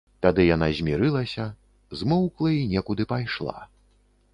Тады яна змірылася, змоўкла і некуды пайшла.